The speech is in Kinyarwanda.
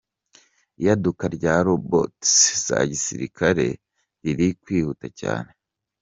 Iyaduka rya ’Robots’ za gisirikare riri kwihuta cyane.